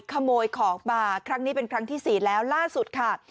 ขโมยของมาครั้งนี้เป็นครั้งที่๔แล้วล่าสุดค่ะ